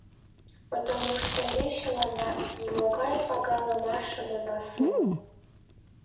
Потомушто ме чыланат нимогай пагалымашым она суло.